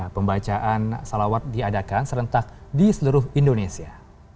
pembacaan salawat diadakan serentak di seluruh indonesia